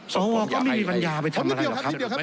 สวก็ไม่มีปัญญาไปทำอะไรหรอกครับ